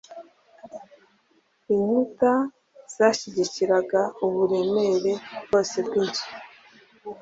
inkuta zashyigikiraga uburemere bwose bwinzu